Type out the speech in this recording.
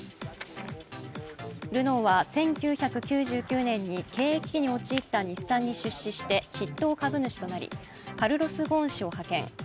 ルノーは１９９９年に経営危機に陥った日産に出資して筆頭株主となりカルロス・ゴーン氏を派遣。